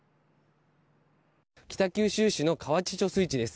北九州市の河内貯水池です。